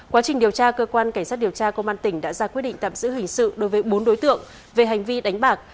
quá trình điều tra cơ quan cảnh sát điều tra công an tỉnh đã ra quyết định tạm giữ hình sự đối với bốn đối tượng về hành vi đánh bạc